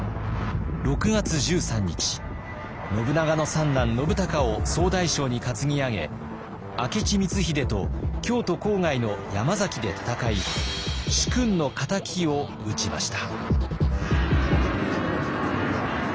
信長の三男信孝を総大将に担ぎ上げ明智光秀と京都郊外の山崎で戦い主君の敵を討ちました。